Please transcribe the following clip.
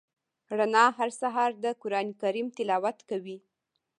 رڼا هر سهار د قران کریم تلاوت کوي.